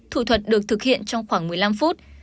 thủ thuật được thực hiện trong khoảng một mươi năm phút